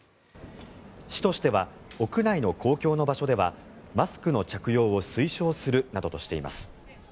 市としては屋内の公共の場所ではマスクの着用を推奨するなどとしています。